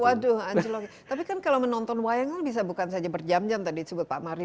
waduh anjlok tapi kan kalau menonton wayang kan bisa bukan saja berjam jam tadi disebut pak mari